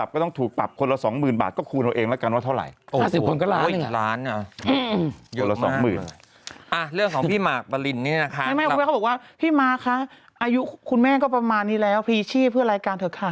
คุณแม่ก็ประมาณนี้แล้วพีชีพเพื่อรายการเถอะค่ะ